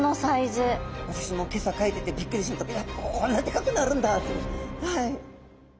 私も今朝描いててびっくりいやこんなでかくなるんだってはい。